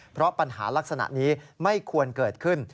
เพราะปัญหาลักษณะนี้ไม่ควรเกิดขึ้น